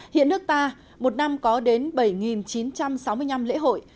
hiện nước ta một năm có đến bảy chín trăm sáu mươi năm lễ hội